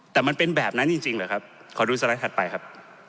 แต่มันเป็นแบบนั้นจริงเหรอครับขอดูสไลด์ถัดไปครับ